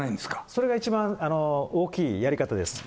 それが一番、大きいやり方です。